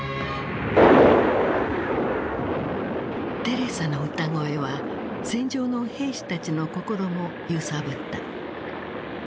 テレサの歌声は戦場の兵士たちの心も揺さぶった。